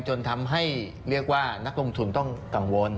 จนทำให้เรียกว่านักลงทุนต้องกังวล